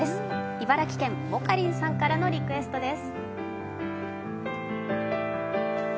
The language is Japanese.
茨城県、もかりんさんからのリクエストです。